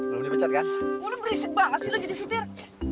lo berisik banget sih lo jadi sipir